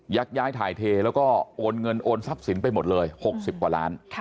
ย้ายถ่ายเทแล้วก็โอนเงินโอนทรัพย์สินไปหมดเลย๖๐กว่าล้าน